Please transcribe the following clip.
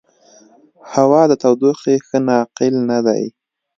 هوا د تودوخې ښه ناقل نه دی.